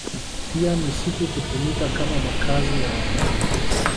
Pia misitu hutumika kama makazi ya wanyama